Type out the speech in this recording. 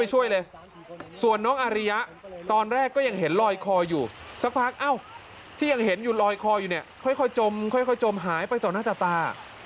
หายไปต่อหน้าตา